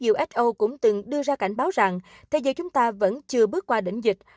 who cũng từng đưa ra cảnh báo rằng thế giới chúng ta vẫn chưa bước qua đỉnh dịch